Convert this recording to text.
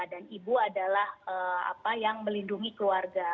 dan ibu adalah yang melindungi keluarga